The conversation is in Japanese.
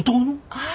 はい。